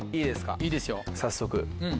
いいですか早速。